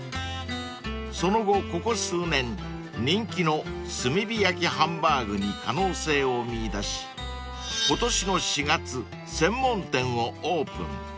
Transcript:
［その後ここ数年人気の炭火焼きハンバーグに可能性を見いだし今年の４月専門店をオープン］